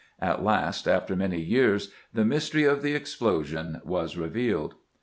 At last, after many years, the mystery of the explosion was revealed.